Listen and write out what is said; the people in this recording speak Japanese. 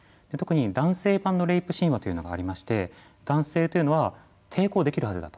男性版のレイプ神話というのがありまして男性というのは抵抗できるはずだと。